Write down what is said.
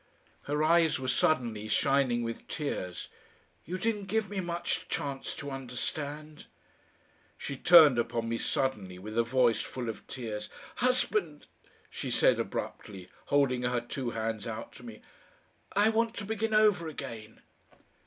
Her eyes were suddenly shining with tears. "You didn't give me much chance to understand." She turned upon me suddenly with a voice full of tears. "Husband," she said abruptly, holding her two hands out to me, "I want to begin over again!"